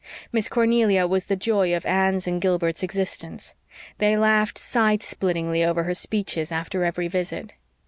Miss Cornelia was the joy of Anne's and Gilbert's existence. They laughed side splittingly over her speeches after every visit.